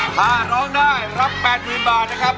ถ้าร้องได้รับ๘๐๐๐บาทนะครับ